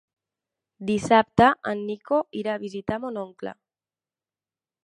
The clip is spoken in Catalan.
Dissabte en Nico irà a visitar mon oncle.